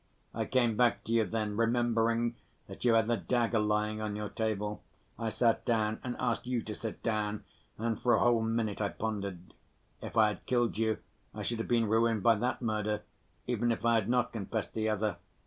I came back to you then, remembering that you had a dagger lying on your table. I sat down and asked you to sit down, and for a whole minute I pondered. If I had killed you, I should have been ruined by that murder even if I had not confessed the other.